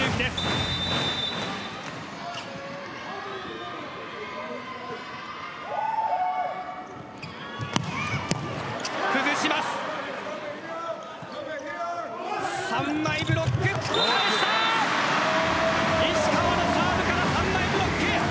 石川のサーブから３枚ブロック。